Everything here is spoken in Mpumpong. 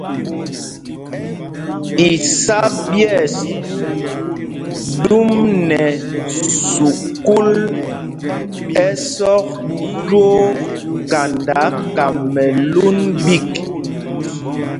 Isá ɓyɛ̂ɛs ɗum nɛ sukûl ɛsɔk twóó kanda Kamɛlûn ɓîk.